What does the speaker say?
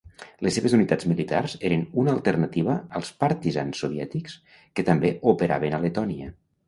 Les seves unitats militars eren una alternativa als partisans soviètics que també operaven a Letònia.